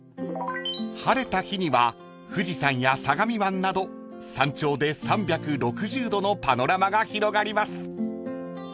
［晴れた日には富士山や相模湾など山頂で３６０度のパノラマが広がります］